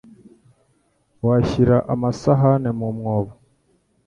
Washyira amasahani mu mwobo?